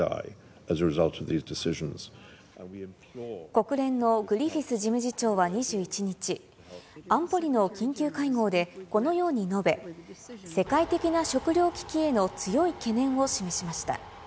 国連のグリフィス事務次長は２１日、安保理の緊急会合でこのように述べ、世界的な食糧危機への強い懸念を示しました。